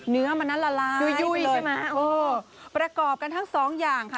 เนื้อมันน่ะละลายไปเลยโอ้โฮประกอบกันทั้งสองอย่างค่ะ